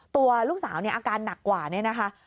ตัวลูกสาวเนี่ยอาการหนักกว่านี้นะคะ